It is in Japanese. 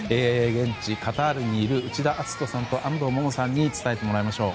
現地カタールにいる内田篤人さんと安藤萌々さんに伝えてもらいましょう。